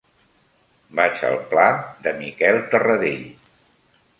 Vaig al pla de Miquel Tarradell.